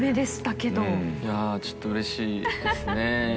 いやぁちょっとうれしいですね。